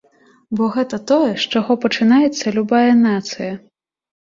Бо гэта тое, з чаго пачынаецца любая нацыя.